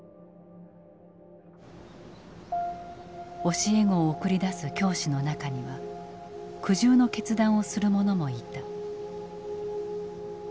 教え子を送り出す教師の中には苦渋の決断をする者もいた。